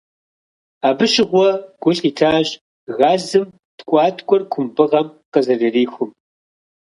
Абы щыгъуэ гу лъитащ газым ткIуаткIуэр кумбыгъэм къызэрырихум.